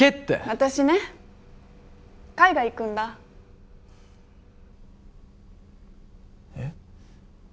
私ね海外行くんだ。え？